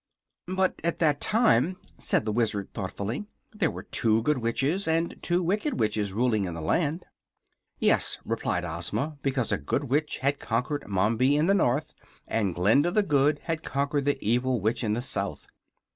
"But, at that time," said the Wizard, thoughtfully, "there were two Good Witches and two Wicked Witches ruling in the land." "Yes," replied Ozma, "because a good Witch had conquered Mombi in the North and Glinda the Good had conquered the evil Witch in the South.